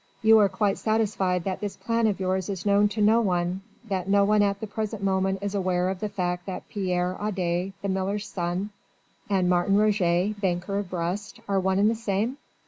"You are quite satisfied that this plan of yours is known to no one, that no one at the present moment is aware of the fact that Pierre Adet, the miller's son, and Martin Roget, banker of Brest, are one and the same?"